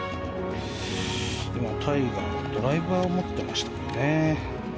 タイガー、ドライバーを持ってましたね。